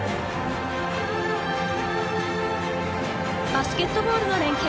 バスケットボールの連係。